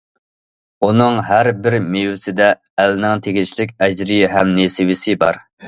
ئۇنىڭ ھەر بىر مېۋىسىدە ئەلنىڭ تېگىشلىك ئەجرى ھەم نېسىۋىسى بار.